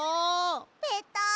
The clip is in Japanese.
ペタン。